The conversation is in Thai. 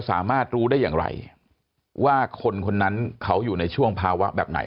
สามารถรู้ได้อย่างไรว่าคนคนนั้นเขาอยู่ในช่วงภาวะแบบไหน